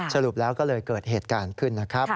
สรุปแล้วก็เลยเกิดเหตุการณ์ขึ้นนะครับ